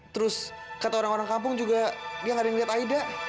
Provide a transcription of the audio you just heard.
terus kata orang orang kampung juga ya gak ada yang lihat aida